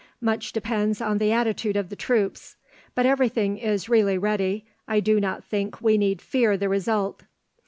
Much depends on the attitude of the troops; but everything is really ready. I do not think we need fear the result."